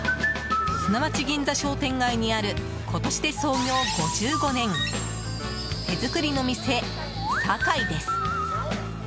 砂町銀座商店街にある今年で創業５５年手づくりの店さかいです。